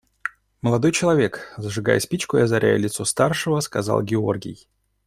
Молодой человек, – зажигая спичку и озаряя лицо старшего, сказал Георгий.